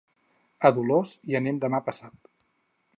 A Dolors hi anem demà passat.